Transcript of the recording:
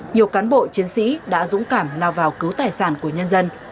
nhiều cán bộ chiến sĩ đã dũng cảm nào vào cứu tài sản của nhân dân